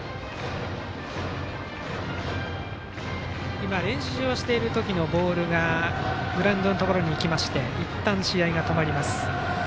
今、練習をしている時のボールがグラウンドのところに行きましていったん試合が止まりました。